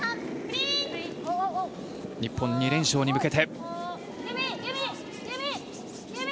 日本、２連勝に向けて。